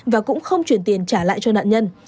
và cũng không chuyển tiền trả lại cho nạn nhân